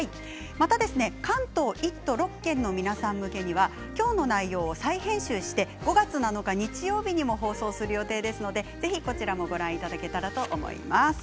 また関東１都６県の皆さん向けには今日の内容を再編集して５月７日日曜日にも放送する予定ですのでぜひご覧ください。